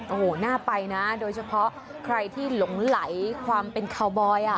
โอ้โหน่าไปนะโดยเฉพาะใครที่หลงไหลความเป็นคาวบอย